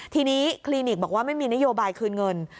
ทีนี้คลินิกบอกว่าไม่มีนโยบายคืนเงิน